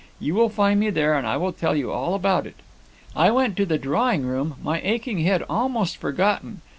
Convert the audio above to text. You will find me there, and I will tell you all about it.' "I went to the drawing room, my aching head almost forgotten.